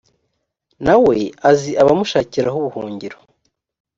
nawe azi abamushakiraho ubuhungiro